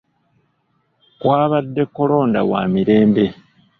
Kwabadde kolonda wa mirembe.